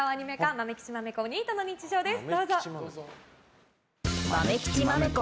「まめきちまめこニートの日常」です。